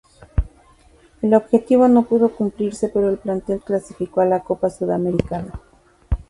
El objetivo no pudo cumplirse pero el plantel clasificó a la Copa Sudamericana.